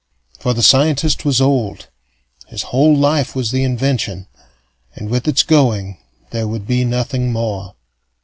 For the scientist was old, his whole life was the invention, and with its going there would be nothing more.